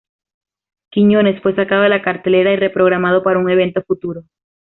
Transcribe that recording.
Quiñónez fue sacado de la cartelera y reprogramado para un evento futuro.